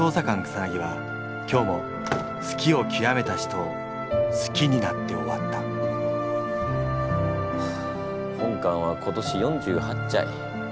草は今日も好きをきわめた人を好きになって終わった本官は今年４８ちゃい。